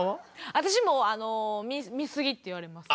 私もあの見すぎって言われます。